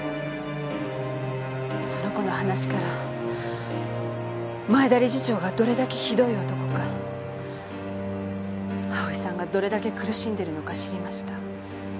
その子の話から前田理事長がどれだけひどい男か葵さんがどれだけ苦しんでるのか知りました。